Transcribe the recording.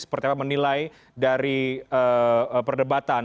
sepertinya menilai dari perdebatan